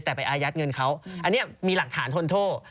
แต่ไปอายัดเงินเขาอันนี้มีหลักฐานทนโทษ